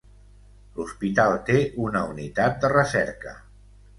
L'hospital té una unitat de recerca.